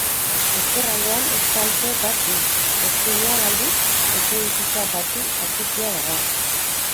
Ezkerraldean estalpe bat du, eskuinean aldiz, etxebizitza bati atxikia dago.